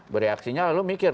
bereaksinya lalu mikir